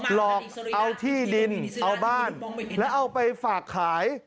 หลอกเอาที่ดินเอาบ้านแล้วเอาไปฝากขาย